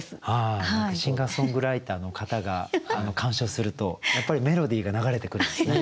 シンガーソングライターの方が鑑賞するとやっぱりメロディーが流れてくるんですね。